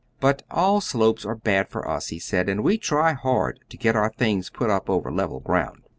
"But all slopes are bad for us," he said, "and we try hard to get our things put up over level ground."